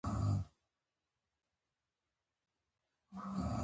احمد زړه ته زنګنونه ورکړل!